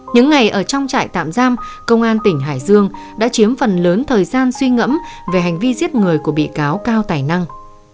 những ngày ở trong trại tạm giam công an tỉnh hải dương đã chiếm phần lớn thời gian suy ngẫm về hành vi giết người của bị cáo cao tài năng